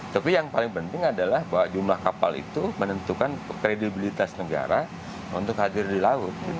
tapi yang paling penting adalah bahwa jumlah kapal itu menentukan kredibilitas negara untuk hadir di laut